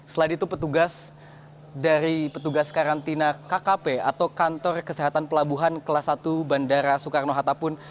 selain itu petugas dari petugas karantina kkp atau kantor kesehatan pelabuhan kelas satu bandara soekarno hatta pun